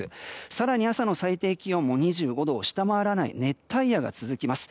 更に朝の最低気温も２５度を下回らない熱帯夜が続きます。